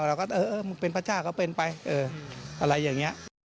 เราก็เออมึงเป็นพระเจ้าก็เป็นไปอะไรอย่างนี้